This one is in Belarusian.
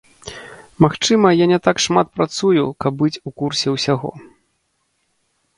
Магчыма, я не так шмат працую, каб быць у курсе ўсяго.